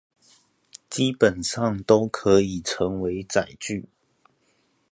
基本上都可以成為載具